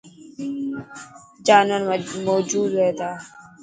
جانور موجود هئي تا.